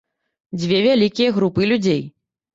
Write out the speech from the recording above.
Дзве вялікія групы людзей.